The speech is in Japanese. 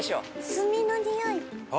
炭のにおい。